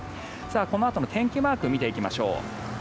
このあとの天気マークを見ていきましょう。